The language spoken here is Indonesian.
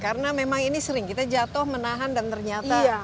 karena memang ini sering kita jatuh menahan dan ternyata